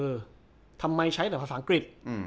เออทำไมใช้แต่ภาษาอังกฤษอืม